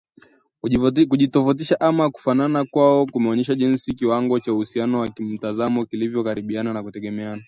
Kutofautiana ama kufanana kwao kumeonyesha jinsi kiwango cha uhusiano wa kimtazamo kilivyokaribiana au kutengana